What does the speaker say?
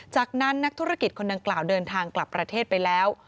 จากนั้นนักธุรกิจคนดังกล่าวเดินทางกลับประเทศไปแล้ว